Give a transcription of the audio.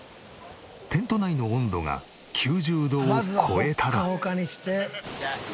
テント内の温度が９０度を超えたら。